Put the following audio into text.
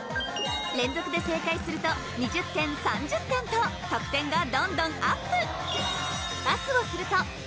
連続で正解すると２０点３０点と得点がどんどんアップ！